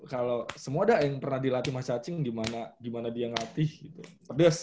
kalo semua dah yang pernah dilatih mas cacing gimana dia nglatih pedes